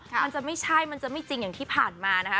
มันจะไม่ใช่มันจะไม่จริงอย่างที่ผ่านมานะคะ